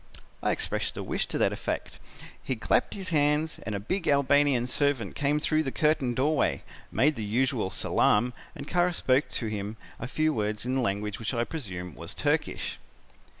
"I expressed a wish to that effect. He clapped his hands and a big Albanian servant came through the curtained doorway, made the usual salaam, and Kara spoke to him a few words in a language which I presume was Turkish.